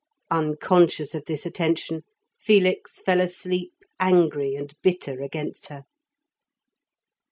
Unconscious of this attention, Felix fell asleep, angry and bitter against her.